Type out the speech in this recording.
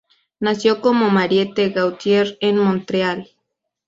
Nació como Mariette Gauthier en Montreal.